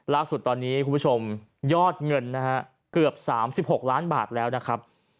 ล่าสุดตอนนี้คุณผู้ชมยอดเงินนะฮะเกือบ๓๖ล้านบาทแล้วนะครับ